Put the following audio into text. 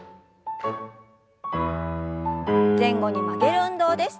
前後に曲げる運動です。